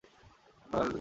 আপনার ট্যাক্সি আছে?